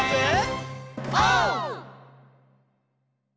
オー！